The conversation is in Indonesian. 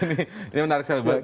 ini menarik sekali